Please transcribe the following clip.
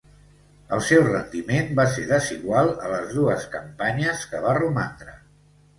El seu rendiment va ser desigual a les dues campanyes que va romandre.